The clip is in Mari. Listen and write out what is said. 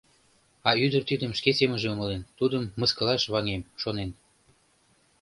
А ӱдыр тидым шке семынже умылен, тудым мыскылаш ваҥем, шонен.